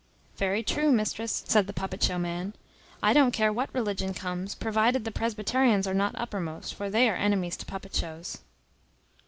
"Very true, mistress," said the puppet show man, "I don't care what religion comes; provided the Presbyterians are not uppermost; for they are enemies to puppet shows."